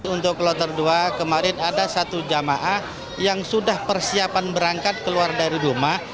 untuk kloter dua kemarin ada satu jamaah yang sudah persiapan berangkat keluar dari rumah